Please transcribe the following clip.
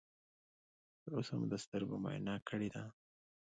تر اوسه مو د سترګو معاینه کړې ده؟